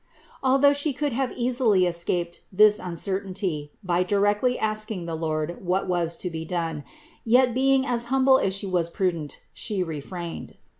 Although She could have easily escaped this uncertainty by directly asking the Lord what was to be done; yet, being as humble as She was prudent, She refrained.